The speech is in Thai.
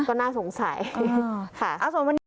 ก็น่าสงสัยค่ะ